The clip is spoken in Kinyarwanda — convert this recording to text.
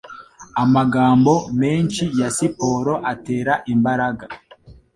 Amagambo menshi ya siporo atera imbaraga